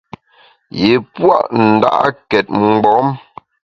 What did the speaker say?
Yi pua’ nda’két mgbom.